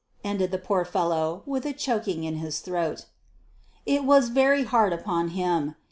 ended the poor fellow, with a choking in his throat. It was very hard upon him!